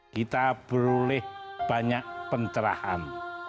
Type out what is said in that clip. kita beroleh banyak pencerahan